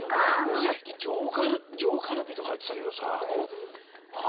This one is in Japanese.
さっきじょうカルビとかいってたけどさあ